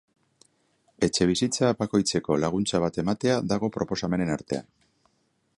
Etxebizitza bakoitzeko laguntza bat ematea dago proposamenen artean.